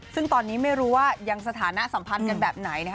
ซึ่งตอนนี้ไม่รู้ว่ายังสถานะสัมพันธ์กันแบบไหนนะคะ